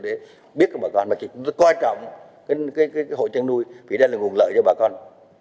chúng ta phải biết cho bà con mà chúng ta quan trọng hội trang nuôi vì đây là nguồn lợi cho bà con